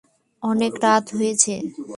অনেক রাত হয়েছে।